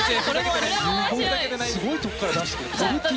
すごいところから出してくるね。